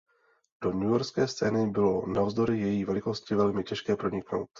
Do newyorské scény bylo navzdory její velikosti velmi těžké proniknout.